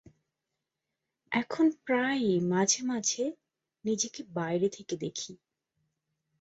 এখন প্রায় মাঝে-মাঝে নিজেকে বাইরে থেকে দেখি।